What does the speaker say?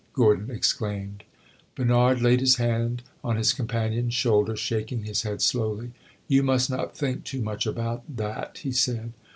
Gordon exclaimed. Bernard laid his hand on his companion's shoulder, shaking his head slowly. "You must not think too much about that," he said.